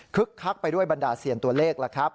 คักไปด้วยบรรดาเซียนตัวเลขล่ะครับ